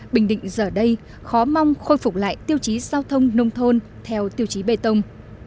bình định giờ đây khó mong khôi phục lại tiêu chí giao thông nông thôn theo tiêu chí bê tông